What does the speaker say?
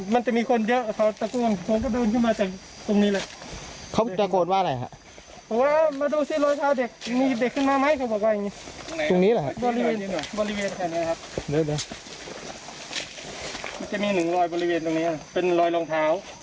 มันจะมีหนึ่งรอยบริเวณตรงนี้อ่ะเป็นรอยรองเท้า